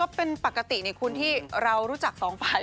ก็เป็นปกติในคุณที่เรารู้จัก๒ฝ่าย